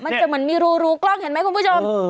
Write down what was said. มันจะเหมือนมีรูกล้องเห็นไหมคุณผู้ชม